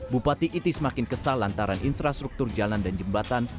bupati iti semakin kesal antara infrastruktur jalan dan jembatan